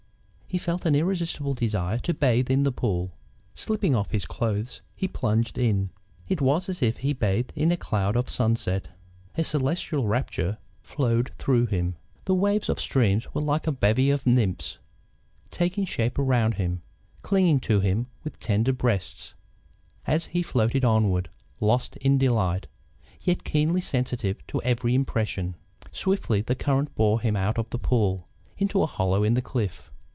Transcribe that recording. He felt an irresistible desire to bathe in the pool. Slipping off his clothes he plunged in. It was as if he bathed in a cloud of sunset. A celestial rapture flowed through him. The waves of the stream were like a bevy of nymphs taking shape around him, clinging to him with tender breasts, as he floated onward, lost in delight, yet keenly sensitive to every impression. Swiftly the current bore him out of the pool, into a hollow in the cliff.